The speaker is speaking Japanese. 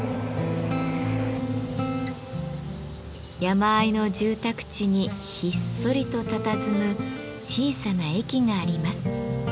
山あいの住宅地にひっそりとたたずむ小さな駅があります。